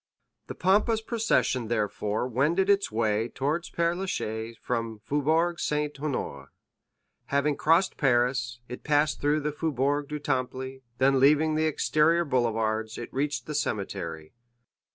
The pompous procession therefore wended its way towards Père Lachaise from the Faubourg Saint Honoré. Having crossed Paris, it passed through the Faubourg du Temple, then leaving the exterior boulevards, it reached the cemetery.